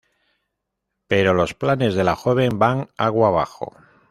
Pero los planes de la joven van agua abajo.